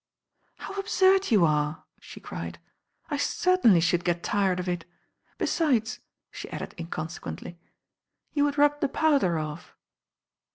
"How absurd you are," she cried. "I certainly should get tired of it. Besides," she added incon sequently, "you would rub the powder off."